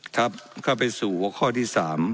ครับก็ไปสู่ข้อที่๓